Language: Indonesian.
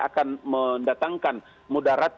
akan mendatangkan mudarat